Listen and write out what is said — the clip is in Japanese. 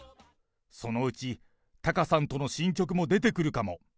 そのうち、タカさんとの新曲も出てくるかも。